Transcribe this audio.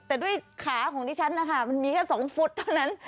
แต่ด้วยขาของดิฉันนะคะมันมีแค่๒ฟุตเท่านั้น